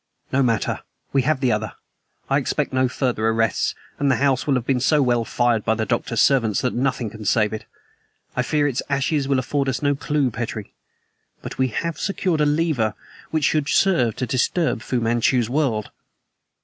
"No matter. We have the other. I expect no further arrests, and the house will have been so well fired by the Doctor's servants that nothing can save it. I fear its ashes will afford us no clew, Petrie; but we have secured a lever which should serve to disturb Fu Manchu's world."